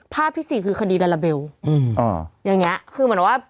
ที่สี่คือคดีลาลาเบลอืมอ่าอย่างเงี้ยคือเหมือนว่า